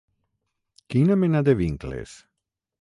Quina mena de vincles?